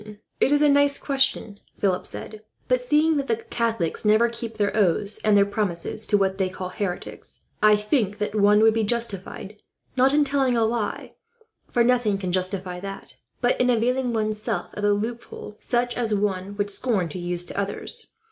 "It is a nice question," Philip said; "but seeing that the Catholics never keep their oaths and their promises to what they call heretics, I think that one would be justified, not in telling a lie, for nothing can justify that, but in availing one's self of a loophole such as one would scorn to use, to others.